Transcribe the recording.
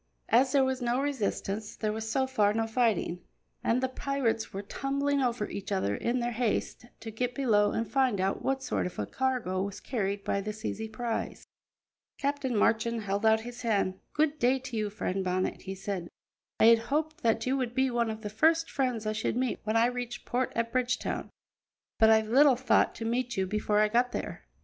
As there was no resistance, there was so far no fighting, and the pirates were tumbling over each other in their haste to get below and find out what sort of a cargo was carried by this easy prize. Captain Marchand held out his hand. "Good day to you, friend Bonnet," he said. "I had hoped that you would be one of the first friends I should meet when I reached port at Bridgetown, but I little thought to meet you before I got there."